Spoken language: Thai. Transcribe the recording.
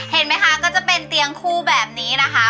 เห็นไหมคะก็จะเป็นเตียงคู่แบบนี้นะคะ